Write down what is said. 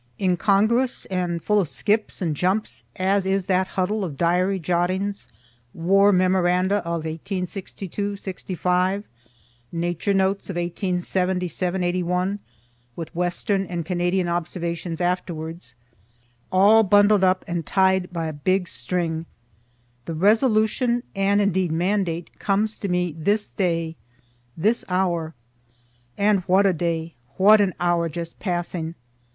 Incongruous and full of skips and jumps as is that huddle of diary jottings, war memoranda of 1862 '65, Nature notes of 1877 '81, with Western and Canadian observations afterwards, all bundled up and tied by a big string, the resolution and indeed mandate comes to me this day, this hour, (and what a day! What an hour just passing!